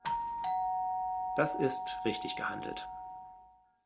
Das ist richtig gehandelt.